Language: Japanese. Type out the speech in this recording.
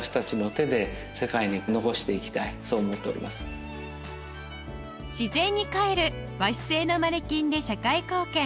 岩下さんが自然にかえる和紙製のマネキンで社会貢献